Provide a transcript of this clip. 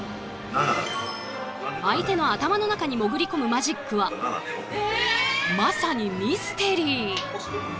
相手の頭の中に潜り込むマジックはまさにミステリー！